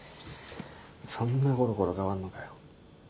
そんなコロコロ変わんのかよ。